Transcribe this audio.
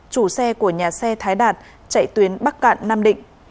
chủ xe của nhà xe thái đạt chạy tuyến bắc cạn nam định